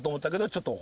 ちょっと！